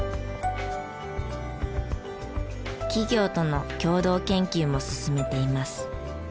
企業との共同研究も進めています。